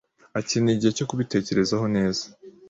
akeneye igihe cyo kubitekerezaho neza.